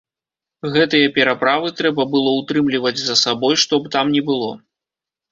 Гэтыя пераправы трэба было ўтрымліваць за сабой што б там ні было.